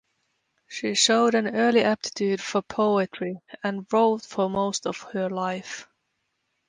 She showed an early aptitude for poetry and wrote for most of her life.